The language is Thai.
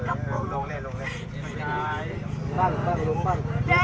ตกเรื่องส่วนคนที่แลกภูมิกันที่ไม่ค่อยยอมทำเรื่องวันนี้